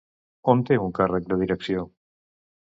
On té un càrrec de direcció?